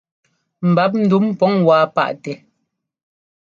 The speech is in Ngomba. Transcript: Ḿbap ndǔm pǔŋ wá paʼtɛ.